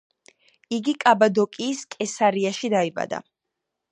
იგი კაბადოკიის კესარიაში დაიბადა.